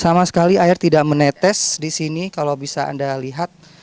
sama sekali air tidak menetes di sini kalau bisa anda lihat